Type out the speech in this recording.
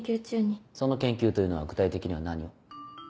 その研究というのは具体的には何を？